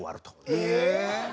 え！